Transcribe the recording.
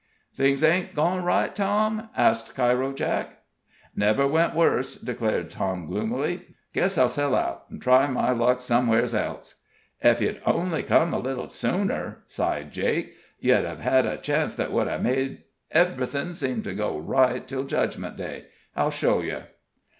"Things hain't gone right, Tom?" asked Cairo Jake. "Never went worse," declared Tom, gloomily. "Guess I'll sell out, an' try my luck somewheres else." "Ef you'd only come a little sooner!" sighed Jake, "you'd hev hed a chance that would hev made ev'rything seem to go right till Judgment Day. I'll show yer."